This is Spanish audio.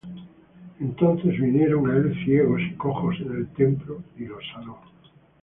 Entonces vinieron á él ciegos y cojos en el templo, y los sanó.